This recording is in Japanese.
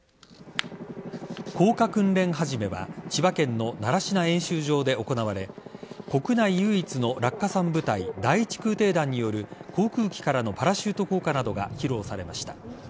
降下訓練始めは千葉県の習志野演習場で行われ国内唯一の落下傘部隊第１空挺団による航空機からのパラシュート降下などが披露されました。